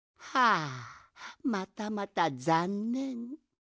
あまたまたざんねん。